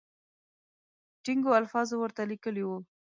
ټینګو الفاظو ورته لیکلي وو.